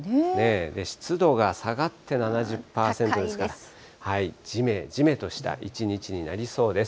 湿度が下がって７０％ですから、じめじめとした一日になりそうです。